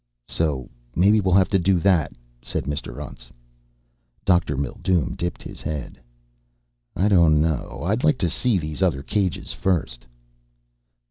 "So maybe we'll have to do that," said Mr. Untz. Dr. Mildume dipped his head. "I don't know. I'd like to see these other cages first."